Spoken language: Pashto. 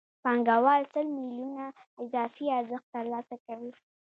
پانګوال سل میلیونه اضافي ارزښت ترلاسه کوي